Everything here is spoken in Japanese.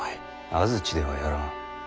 安土ではやらん。